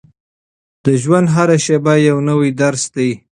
د ژوند هره شېبه یو نوی درس دی.